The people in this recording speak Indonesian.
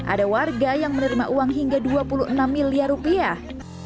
ada warga yang menerima uang hingga dua puluh enam miliar rupiah